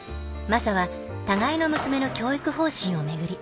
マサは互いの娘の教育方針を巡り